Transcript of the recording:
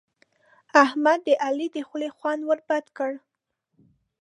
احمد د علي د خولې خوند ور بد کړ.